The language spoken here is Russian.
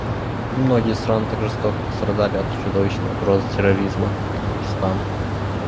Немногие страны так жестоко пострадали от чудовищной угрозы терроризма, как Пакистан.